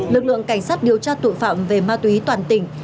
lực lượng cảnh sát điều tra tội phạm về ma túy toàn tỉnh